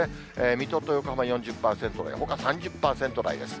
水戸と横浜４０％、ほか３０％台です。